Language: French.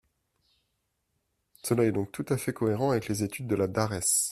Cela est donc tout à fait cohérent avec les études de la DARES.